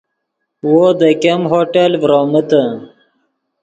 وو دے ګیم ہوٹل ڤرومیتے